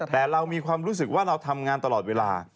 แต่เรามีความรู้สึกว่าเราทำงานตลอดเวลา